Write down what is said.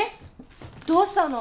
どうしたの！？